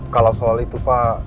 kalau soal itu pak